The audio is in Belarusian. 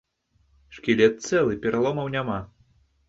Шкілет цэлы, пераломаў няма.